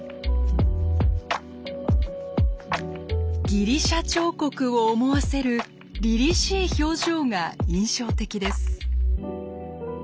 ギリシャ彫刻を思わせるりりしい表情が印象的です。